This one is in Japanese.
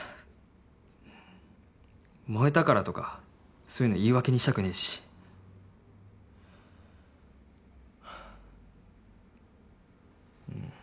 燃えたからとかそういうの言い訳にしたくねぇしハァうん